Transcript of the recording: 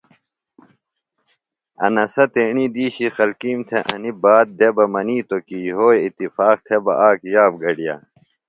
انسہ تیݨی دِیشی خلکِیم تھےۡ انیۡ بات دےۡ بہ منِیتو کی یھوئی اتفاق تھےۡ بہ آک یاب گڈِیا۔